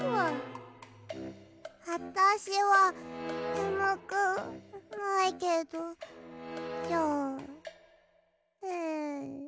あたしはねむくないけどじゃあん。